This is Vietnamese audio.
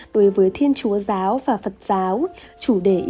đối với thiên chúa giáo và phật giáo chủ đề ưu tiên là sự tử bi